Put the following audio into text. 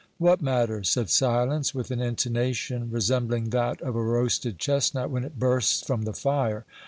"What matter?" said Silence, with an intonation resembling that of a roasted chestnut when it bursts from the fire.